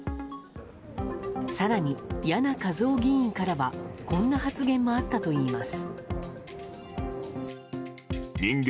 更に、簗和生議員からはこんな発言もあったといいます。